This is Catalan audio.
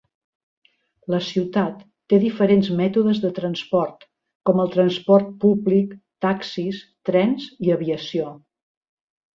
La ciutat té diferents mètodes de transport com el transport públic, taxis, trens i aviació.